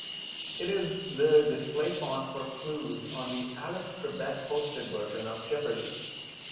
It is the display font for clues on the Alex Trebek-hosted version of Jeopardy!